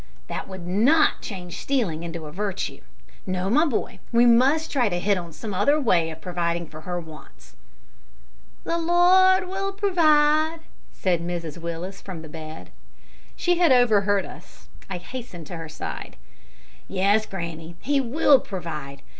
"That would not change stealing into a virtue. No, my boy, we must try to hit on some other way of providing for her wants." "The Lord will provide," said Mrs Willis, from the bed. She had overheard us. I hastened to her side. "Yes, granny, He will provide.